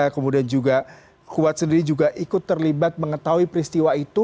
kemudian juga kuat sendiri juga ikut terlibat mengetahui peristiwa itu